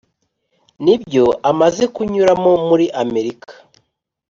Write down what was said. N’ibyo amaze kunyuramo muri Amerika.